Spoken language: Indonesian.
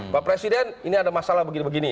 pak presiden ini ada masalah begini begini